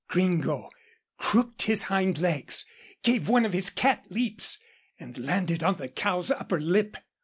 Gringo crooked his hind legs, gave one of his cat leaps, and landed on the cow's upper lip.